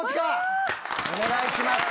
お願いします。